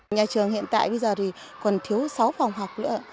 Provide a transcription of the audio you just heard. nhà trường hiện tại bây giờ thì còn thiếu sáu phòng học nữa